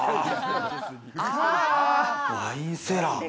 ワインセラー。